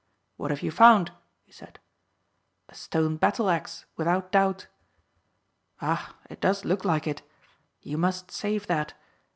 "What have you found?" he said. "A stone battle axe, without doubt." "Ah, it does look like it. You must save that.